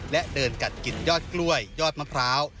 และเดินกัดกินยอดกล้วยยอดมะพร้าว